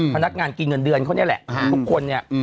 พนักงานกินเงินเดือนเขานี่แหละทุกคนเนี่ย